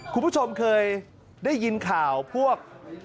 คุณผู้ชมเคยได้ยินข่าวพวก